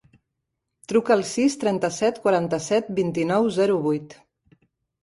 Truca al sis, trenta-set, quaranta-set, vint-i-nou, zero, vuit.